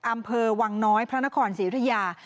อำเภอวังน้อยพระนครศรีรุยา